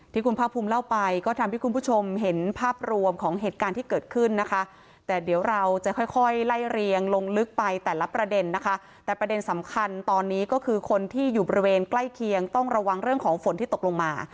ที่คุณภาคภูมิเล่าไปก็ทำให้คุณผู้ชมเห็นภาพรวมของเหตุการณ์ที่เกิดขึ้นนะคะแต่เดี๋ยวเราจะค่อยค่อยไล่เรียงลงลึกไปแต่ละประเด็นนะคะแต่ประเด็นสำคัญตอนนี้ก็คือคนที่อยู่บริเวณใกล้เคียงต้องระวังเรื่องของฝนที่ตกลงมา